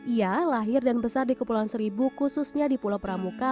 ia lahir dan besar di kepulauan seribu khususnya di pulau pramuka